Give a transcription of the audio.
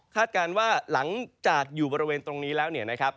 คาดการณ์ว่าหลังจากอยู่บริเวณตรงนี้แล้ว